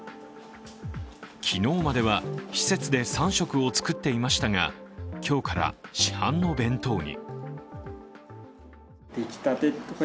昨日までは施設で３食を作っていましたが、今日から市販の弁当に。